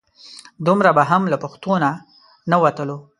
دومره به هم له پښتو نه نه وتلو.